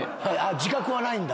自覚はないんだ。